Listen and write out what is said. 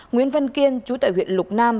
nguyễn vân kiên chú tại huyện lục nam